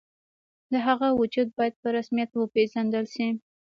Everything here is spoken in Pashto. د هغه وجود باید په رسمیت وپېژندل شي.